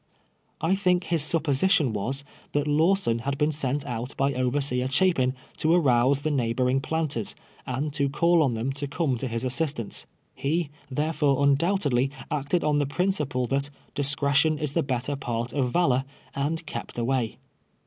I think his sup position was, that Lawson had been sent out by Over seer Chapin to arouse the neighboring planters, and to call on them to come to his assistance. lie, there fore, undoubtedly, acted on the j^rinciple, that " dis cretion is the better part of valor," and kept away.